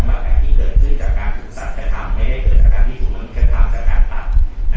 ไม่ได้เกิดจากการที่ถูกล้มจากการตัด